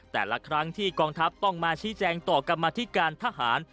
แต่ละครั้งที่กองทัพต้องมาชี้แจงต่อกรรมธิการทหาร